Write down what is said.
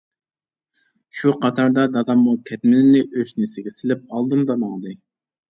شۇ قاتاردا داداممۇ كەتمىنىنى ئۆشنىسىگە سېلىپ ئالدىمدا ماڭدى.